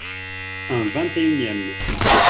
Un vingt-et-unième.